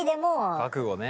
覚悟ね。